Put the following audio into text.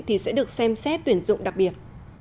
thì sẽ được xem xét tuyển dụng đặc biệt